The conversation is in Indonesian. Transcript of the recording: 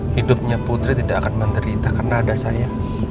hidupnya putri tidak akan menderita karena ada saya